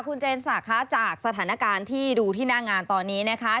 คุณเจนศักดิ์จากสถานการณ์ที่ดูที่หน้างานตอนนี้นะคะ